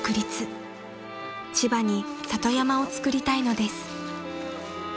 ［千葉に里山を造りたいのです］